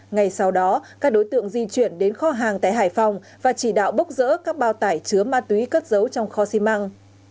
ngày sau đó các đối tượng di chuyển đến kho hàng tại hải phòng và chỉ đạo bốc rỡ các bao tải chứa ma túy cất dấu trong kho xi măng